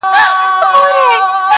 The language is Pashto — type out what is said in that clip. خو پيشو راته په لاره كي مرگى دئ!!